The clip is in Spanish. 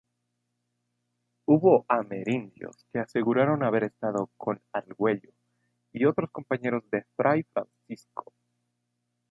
Hubo amerindios que aseguraron haber estado con Argüello y otros compañeros de fray Francisco.